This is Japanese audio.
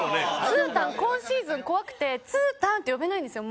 つーたん今シーズン怖くてつーたんって呼べないんですよ。